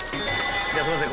すいません。